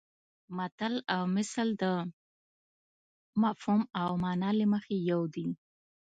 متل او مثل د مفهوم او مانا له مخې یو دي